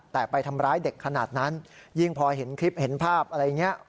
แต่ไปทำร้ายเด็กขนาดนั้นยิ่งพอเห็นคลิปเห็นภาพอะไรอย่างนี้